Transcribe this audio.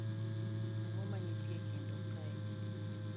Ang'o ma nitie e kindu kae.